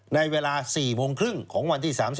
ในเวลา๔โมงครึ่งของวันที่๓๐